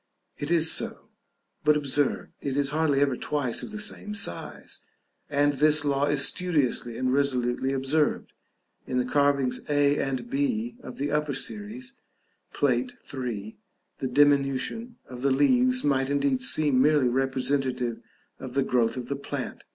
It is so, but observe, it is hardly ever twice of the same size; and this law is studiously and resolutely observed. In the carvings a and b of the upper series, Plate III., the diminution of the leaves might indeed seem merely representative of the growth of the plant.